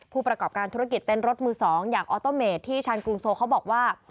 ผู้ประกอบการธุรกิจเต้นรถมือ๒อย่างออโตเมดที่ชาญกรุงโซเขาบอกว่า